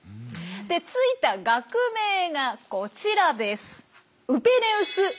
でついた学名がこちらです。